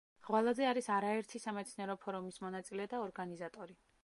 ღვალაძე არის არაერთი სამეცნიერო ფორუმის მონაწილე და ორგანიზატორი.